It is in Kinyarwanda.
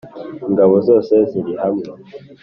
Ingabo zose zirihamwe .